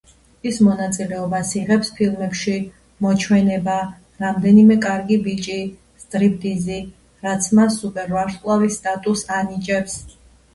ის მონაწილეობას იღებს ფილმებში: „მოჩვენება“, „რამდენიმე კარგი ბიჭი“, „სტრიპტიზი“, რაც მას სუპერვარსკვლავის სტატუსს ანიჭებს.